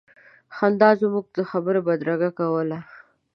خندا زموږ خبرو بدرګه کوله.